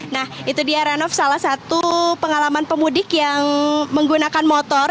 nah itu dia heranov salah satu pengalaman pemudik yang menggunakan motor